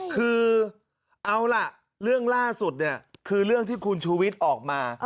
คือเอาล่ะเรื่องล่าสุดเนี่ยคือเรื่องที่คุณชูวิทย์ออกมา